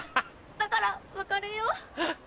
だから別れよう？